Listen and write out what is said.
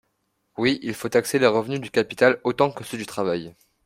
Oui, il faut taxer les revenus du capital autant que ceux du travail.